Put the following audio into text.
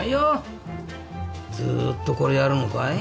ずーっとこれやるのかい？